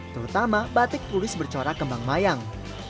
terutama batik tulis bercorak kembang mayang